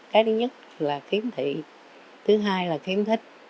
cái thứ nhất là kiếm thị thứ hai là kiếm thích